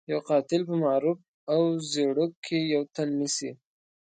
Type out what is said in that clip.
يو قاتل په معروف او زيړوک کې يو تن نيسي.